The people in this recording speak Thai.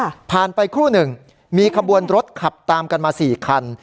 ผ่านไปครู่หนึ่งมีขบวนรถขับตามกันมาสี่คัน